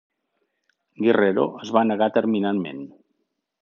Guerrero es va negar terminantment.